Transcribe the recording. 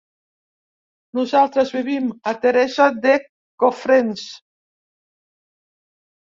Nosaltres vivim a Teresa de Cofrents.